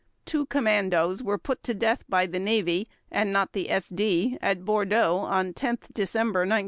Two commandos were put to death by the Navy, and not the SD, at Bordeaux on 10 December 1942.